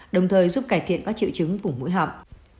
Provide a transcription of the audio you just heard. đồng thời giúp cải thiện các triệu chứng vùng mũi họng